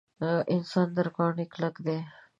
انسان تر کاڼي کلک دی.